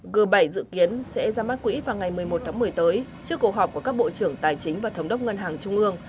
g bảy dự kiến sẽ ra mắt quỹ vào ngày một mươi một tháng một mươi tới trước cầu họp của các bộ trưởng tài chính và thống đốc ngân hàng trung ương